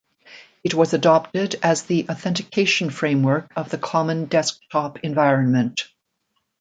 It was adopted as the authentication framework of the Common Desktop Environment.